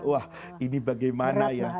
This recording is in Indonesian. wah ini bagaimana ya